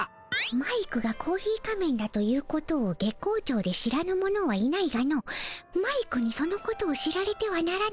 マイクがコーヒー仮面だということを月光町で知らぬ者はいないがのマイクにそのことを知られてはならぬのじゃ。